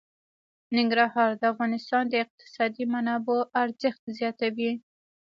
ننګرهار د افغانستان د اقتصادي منابعو ارزښت زیاتوي.